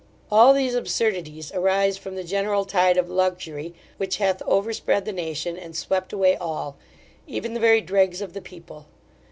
All these absurdities arise from the general tide of luxury, which hath overspread the nation, and swept away all, even the very dregs of the people.